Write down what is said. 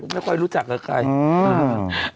ไม่ค่อยรู้จักกับใคร